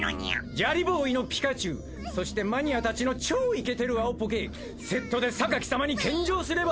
ジャリボーイのピカチュウそしてマニアたちの超イケてる青ポケセットでサカキ様に献上すれば。